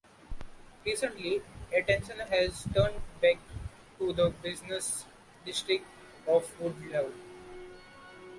Recently, attention has turned back to the business district of Woodlawn.